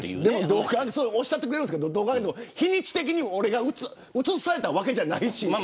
でも、それおっしゃってくれるんですけど、どう考えても日にち的に俺がうつされたわけじゃないし。